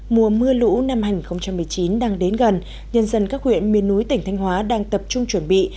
mùa mưa lũ năm hai nghìn một mươi chín đang đến gần nhân dân các huyện miền núi tỉnh thanh hóa đang tập trung chuẩn bị